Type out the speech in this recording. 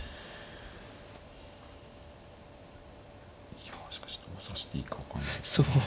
いやしかしどう指していいか分かんないですね。